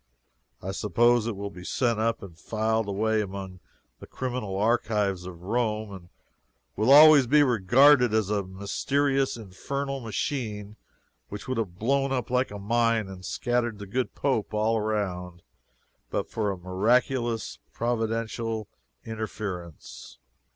I suppose it will be sent up and filed away among the criminal archives of Rome, and will always be regarded as a mysterious infernal machine which would have blown up like a mine and scattered the good Pope all around, but for a miraculous providential interference.